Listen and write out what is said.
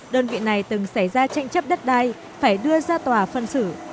đơn vị này từng xảy ra tranh chấp đất đai phải đưa ra tòa phân xử